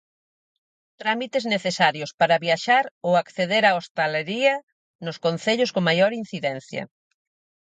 Trámites necesarios para viaxar ou acceder á hostalería nos concellos con maior incidencia.